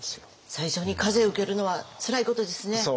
最初に風受けるのはつらいことですね。